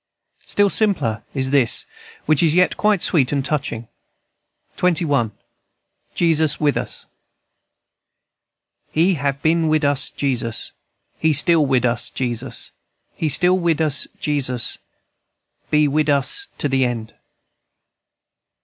Still simpler is this, which is yet quite sweet and touching. XXI. JESUS WITH US. "He have been wid us, Jesus He still wid us, Jesus, He will be wid us, Jesus, Be wid us to the end."